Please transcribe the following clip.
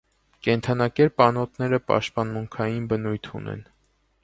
Կենդանակերպ անոթները պաշտամունքային բնույթ ունեին։